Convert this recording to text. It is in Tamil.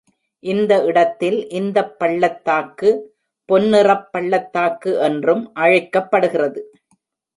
இந்த இடத்தில் இந்தப் பள்ளத்தாக்கு பொன்னிறப் பள்ளத்தாக்கு என்றும் அழைக்கப்படுகிறது.